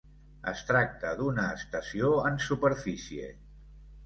Es tracta d'una estació en superfície.